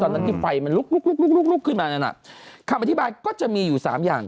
ตอนนั้นที่ไฟลุกขึ้นมาคำอธิบายก็จะมีอยู่๓อย่าง